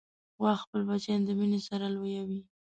غوا خپل بچیان د مینې سره لویوي.